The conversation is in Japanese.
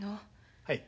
はい。